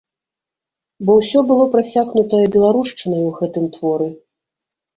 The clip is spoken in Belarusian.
Бо ўсё было прасякнутае беларушчынай у гэтым творы.